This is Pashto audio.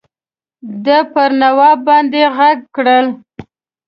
ده پر نواب باندي ږغ کړی.